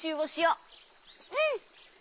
うん！